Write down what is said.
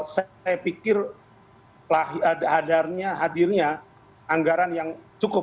saya pikir hadirnya anggaran yang cukup